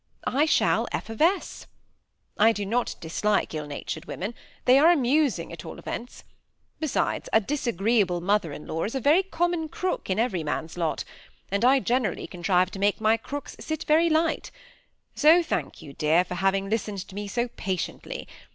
I shall effervesce. I do not dislike ill natured women; they are amusing at all events. Besides, a disagreeable mother in law is a very common crook in every man's lot, and I generally con trive to make my crooks sit very light ; so thank yon, dear, for having listened to me so patiently.